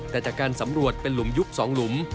แต่จากการสำรวจเป็นหลุมยุบ๒หลุม